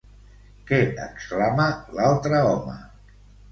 Què exclama l'altre home?